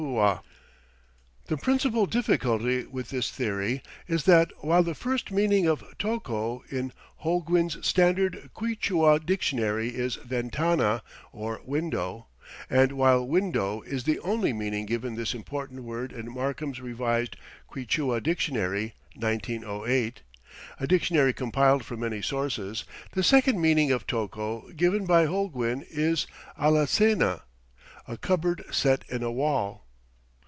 FIGURE The Masonry Wall with Three Windows, Machu Picchu The principal difficulty with this theory is that while the first meaning of tocco in Holguin's standard Quichua dictionary is "ventana" or "window," and while "window" is the only meaning given this important word in Markham's revised Quichua dictionary (1908), a dictionary compiled from many sources, the second meaning of tocco given by Holguin is "alacena," "a cupboard set in a wall."